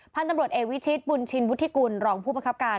พันธุ์ตำรวจเอกวิชิตบุญชินวุฒิกุลรองผู้ประคับการ